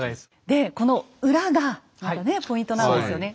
でこの裏がまたねポイントなんですよね。